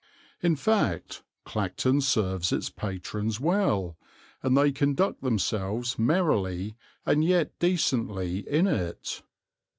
In fact, Clacton serves its patrons well, and they conduct themselves merrily and yet decently in it.